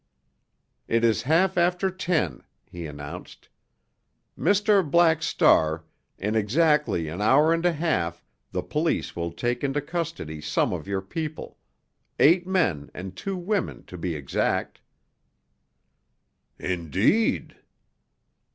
"It is half after ten," he announced. "Mr. Black Star, in exactly an hour and a half the police will take into custody some of your people; eight men and two women, to be exact." "Indeed?"